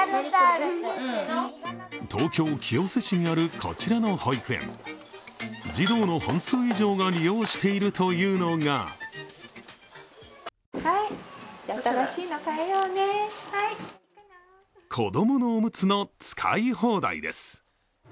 東京・清瀬市にあるこちらの保育園児童の半数以上が利用しているというのが子供のおむつの使い放題です。